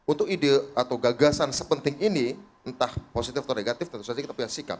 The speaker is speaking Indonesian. untuk ide atau gagasan sepenting ini entah positif atau negatif tentu saja kita punya sikap